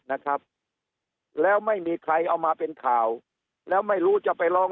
นะครับแล้วไม่มีใครเอามาเป็นข่าวแล้วไม่รู้จะไปร้อง